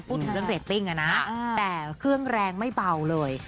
พูดถึงเรื่องเรตติ้งอะนะแต่เครื่องแรงไม่เบาเลย